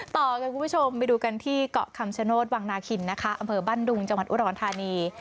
ต่อกันคุณผู้ชมไปดูกันที่เกาะคำชโนธวังนาคินนะคะอำเภอบ้านดุงจังหวัดอุดรธานี